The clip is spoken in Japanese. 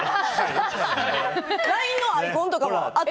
ＬＩＮＥのアイコンとかもあっ